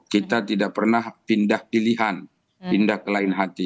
kita tidak pernah pindah pilihan pindah ke lain hati